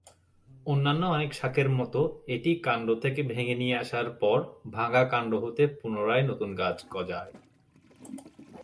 অন্যান্য অনেক শাকের মতোই এটি কাণ্ড থেকে ভেঙে নিয়ে আসার পর ভাঙা কাণ্ড হতে পুনরায় নতুন গাছ গজায়।